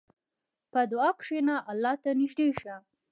په دعا کښېنه، الله ته نږدې شه.